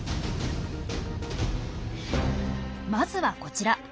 まずはこちら。